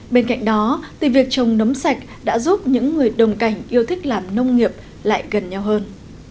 bên cạnh đó thì việc trồng nấm sạch đã giúp những người đồng cảnh yêu thích làm nông nghiệp lại gần nhau hơn